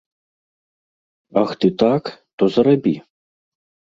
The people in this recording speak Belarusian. Ах ты так, то зарабі.